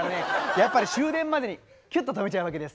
やっぱり終電までにキュッと止めちゃうわけです。